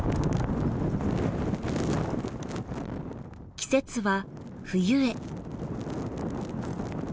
季節は冬へ。